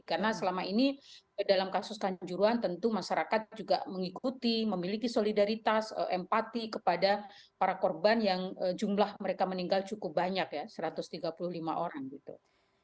karena selama ini dalam kasus kanjuruhan tentu masyarakat juga mengikuti memiliki solidaritas empati kepada para korban yang jumlah mereka meninggal cukup banyak ya satu ratus tiga puluh lima orang gitu